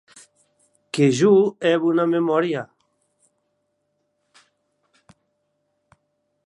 Que jo è bona memòria.